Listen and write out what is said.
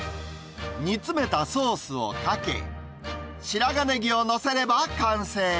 煮詰めたソースをかけ、白髪ネギを載せれば完成。